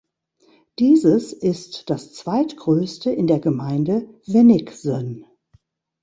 Dieses ist das zweitgrößte in der Gemeinde Wennigsen.